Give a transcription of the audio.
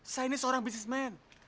saya ini seorang bisnismen